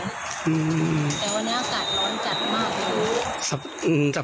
แต่วันนี้อากาศร้อนจัดมากแล้ว